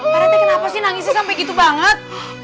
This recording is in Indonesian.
pak rete kenapa sih nangisnya sampai gitu banget